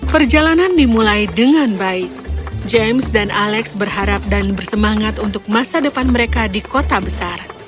perjalanan dimulai dengan baik james dan alex berharap dan bersemangat untuk masa depan mereka di kota besar